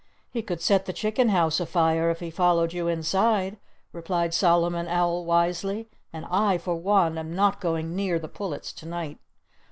"He could set the chicken house afire, if he followed you inside," replied Solomon Owl wisely. "And I, for one, am not going near the pullets to night."